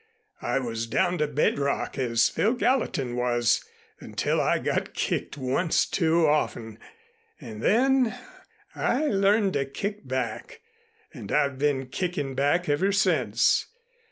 I was down to bedrock, as Phil Gallatin was, until I got kicked once too often, and then I learned to kick back, and I've been kicking back ever since.